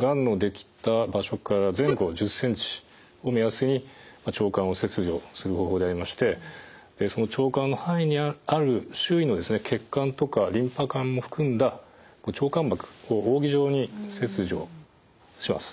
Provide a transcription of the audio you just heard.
がんのできた場所から前後１０ｃｍを目安に腸管を切除する方法でありましてその腸管の範囲にある周囲の血管とかリンパ管も含んだ腸間膜を扇状に切除します。